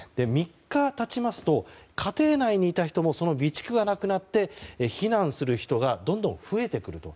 ３日経ちますと家庭内にいた人もその備蓄がなくなって避難する人がどんどん増えてくると。